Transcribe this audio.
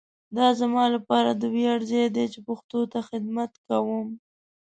دا زما لپاره د ویاړ ځای دی چي پښتو ته خدمت کوؤم.